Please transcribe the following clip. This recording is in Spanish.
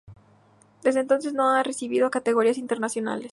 Desde entonces, no ha recibido a categorías internacionales.